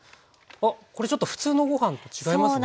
あっこれちょっと普通のご飯と違いますね。